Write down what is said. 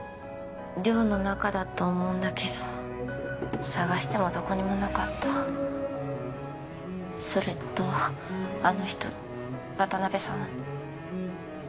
寮の中だと思うんだけど捜してもどこにもなかったそれとあの人渡辺さん？